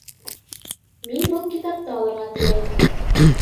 Мин был китапты алырға теләйем.